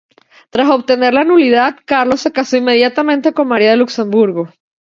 Tras obtener la nulidad, Carlos se casó inmediatamente con María de Luxemburgo.